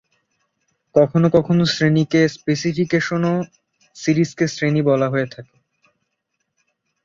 কখনো কখনো শ্রেণীকে স্পেসিফিকেশন ও সিরিজকে শ্রেণী বলা হয়ে থাকে।